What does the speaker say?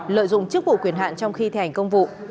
lợi dụng chức vụ quyền hạn trong khi thi hành công vụ